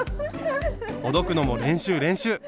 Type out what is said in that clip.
ほどくのも練習練習！